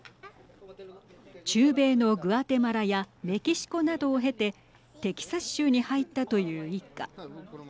中米のグアテマラやメキシコなどを経てテキサス州に入ったという一家。